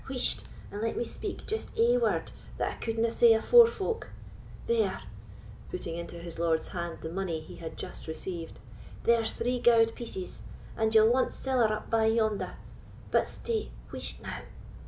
—whisht, and let me speak just ae word that I couldna say afore folk; there (putting into his lord's hand the money he had just received)—there's three gowd pieces; and ye'll want siller up bye yonder. But stay, whisht, now!"